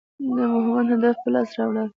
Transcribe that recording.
د مهم هدف په لاس راوړل.